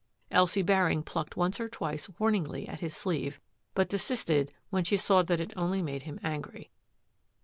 Elsie Baring plucked once or twice wamingly at his sleeve, but desisted when she saw that it only made him angry.